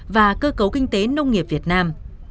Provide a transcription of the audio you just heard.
và cơ cấu kinh tế nông nghiệp việt nam